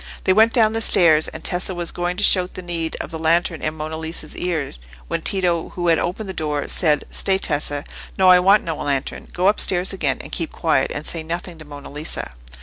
They went down the stairs, and Tessa was going to shout the need of the lantern in Monna Lisa's ear, when Tito, who had opened the door, said, "Stay, Tessa—no, I want no lantern: go upstairs again, and keep quiet, and say nothing to Monna Lisa."